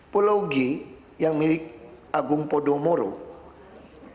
pulau g yang milik agung podomoro